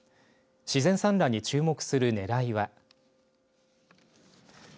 自然産卵に注目する狙いは。